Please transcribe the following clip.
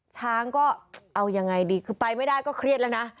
ช้างก็เอายังไงดีคือไปไม่ได้ก็เครียดแล้วนะ